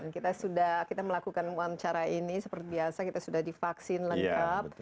kita sudah kita melakukan wawancara ini seperti biasa kita sudah divaksin lengkap